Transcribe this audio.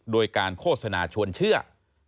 โดยการโฆษณาชวนเชื่อ